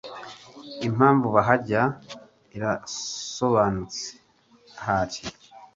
impamvu bahajya irasobanutse ahari,